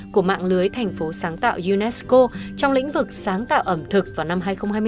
của mạng lưới thành phố sáng tạo unesco trong lĩnh vực sáng tạo ẩm thực vào năm hai nghìn hai mươi